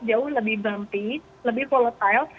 jauh lebih berhenti lebih volatile